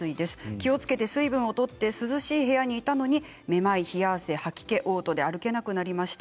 気をつけて水分をとって涼しい部屋にいたのにめまい、冷や汗、吐き気、おう吐で歩けなくなりました。